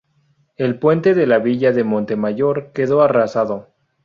El puente de la Villa de Montemayor quedó arrasado.